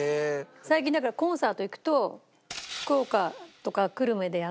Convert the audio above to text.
最近だからコンサート行くと。